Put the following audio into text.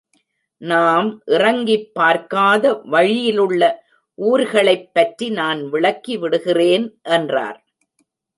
நாம் இறங்கிப் பார்க்காத வழியிலுள்ள ஊர்களைப் பற்றி நான் விளக்கி விடுகிறேன், என்றார்.